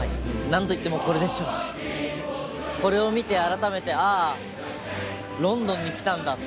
これを見て改めて「ああロンドンに来たんだ」って